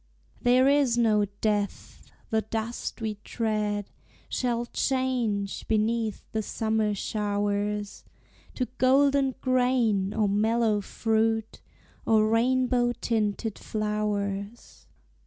There is no death! the dust we tread Shall change, beneath the summer showers, To golden grain, or mellow fruit, Or rainbow tinted flowers.